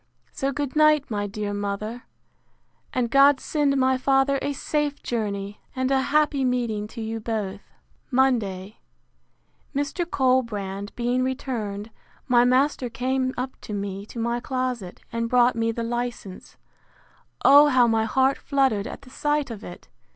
So good night, my dear mother: And God send my father a safe journey, and a happy meeting to you both! Monday. Mr. Colbrand being returned, my master came up to me to my closet, and brought me the license. O how my heart fluttered at the sight of it!